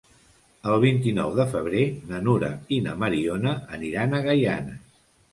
El vint-i-nou de febrer na Nura i na Mariona aniran a Gaianes.